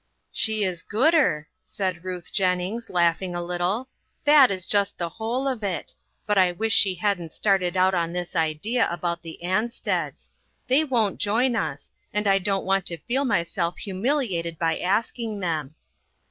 "She is 'gooder,'" said Ruth Jennings, laughing a little, "that is just the whole of it ; but I wish she hadn't started out on this idea about the Ansteds. They won't join us, and I don't want to feel myself humiliated by asking them."